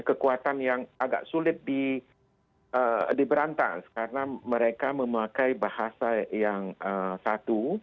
kekuatan yang agak sulit diberantas karena mereka memakai bahasa yang satu